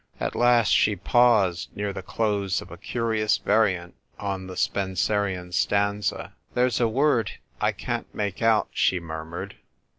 At last she paused, near the close of a curious variant on the Spenserian stanza. " There's a word I can't make out," she murmured.